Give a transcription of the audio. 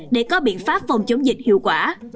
để có biện pháp phòng chống dịch hiệu quả